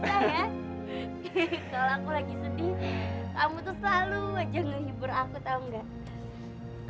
kalau aku lagi sedih kamu tuh selalu aja ngehibur aku tahu enggak